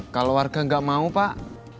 kalau warga nggak mau pak